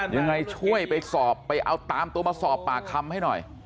ยังไงช่วยไปสอบไปเอาตามตัวมาสอบปากคำให้หน่อย